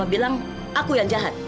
bilang aku yang jahat